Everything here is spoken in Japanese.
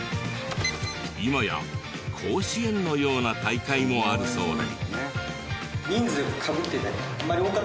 今や甲子園のような大会もあるそうで。